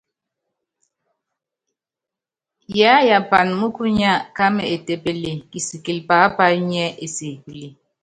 Yiáyapan múkunya kámɛ étépeple, kisikilɛ pápayo nyiɛ́ ésekúle.